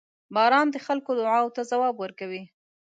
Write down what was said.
• باران د خلکو دعاوو ته ځواب ورکوي.